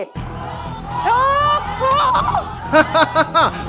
ชุกครู